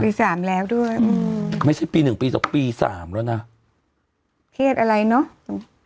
สามแล้วด้วยอืมไม่ใช่ปีหนึ่งปีสองปีสามแล้วนะเครียดอะไรเนอะ